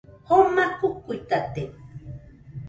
Joma kokuitate